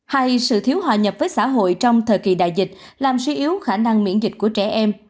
hay sự thiếu hòa nhập với xã hội trong thời kỳ đại dịch làm suy yếu khả năng miễn dịch của trẻ em